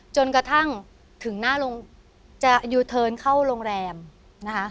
จนกระทั่งถึงหน้าโรงจะยูเทิร์นเข้าโรงแรมนะคะ